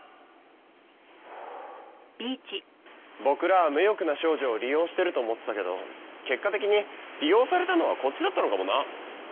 僕らは無欲な少女を利用してると思ってたけど結果的に利用されたのはこっちだったのかもな。